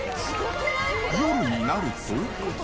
夜になると。